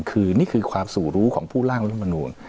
คือนี่คือความสู่รู้ของผู้ร่างรัฐมนูล